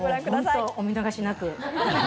本当、お見逃しなく。